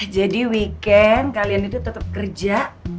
jadi weekend kalian itu tetap kerja